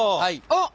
あっ。